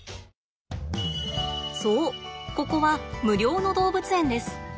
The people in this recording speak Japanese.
そうここは無料の動物園です。